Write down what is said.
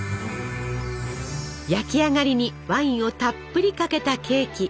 焼き上がりにワインをたっぷりかけたケーキ。